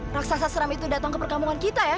raksasa seram itu datang ke perkampungan kita ya